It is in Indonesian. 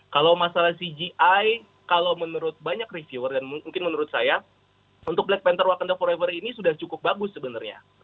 kalau masalah cgi kalau menurut banyak reviewer dan mungkin menurut saya untuk black panth wakanda forever ini sudah cukup bagus sebenarnya